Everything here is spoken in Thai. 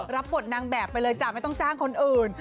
รับบทนางแบบไปเลยจ้ะไม่ต้องจ้างคนอื่น